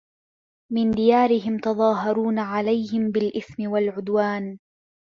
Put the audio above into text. مِنْ دِيَارِهِمْ تَظَاهَرُونَ عَلَيْهِمْ بِالْإِثْمِ وَالْعُدْوَانِ